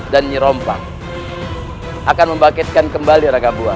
dan nyai rompak akan membangkitkan kembali rangka buah